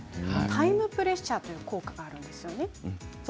タイムプレッシャーという効果があるんですよね。